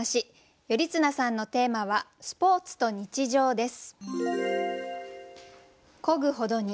頼綱さんのテーマは「スポーツと日常」です。